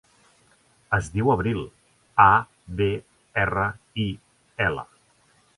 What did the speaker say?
Es diu Abril: a, be, erra, i, ela.